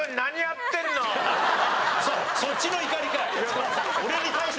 そっちの怒りかい！